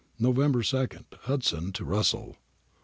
] November 2. Hudson to Russell.